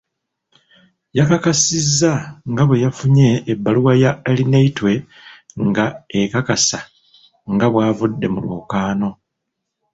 Yakakasizza nga bwe yafunye ebbaluwa ya Arineitwe nga ekakasa nga bw'avudde mu lwokaano.